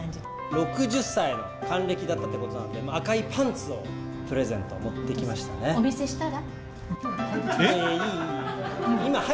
６０歳の還暦だったということなので、赤いパンツをプレゼンお見せしたら？